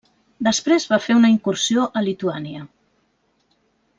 Després va fer una incursió a Lituània.